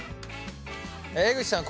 江口さん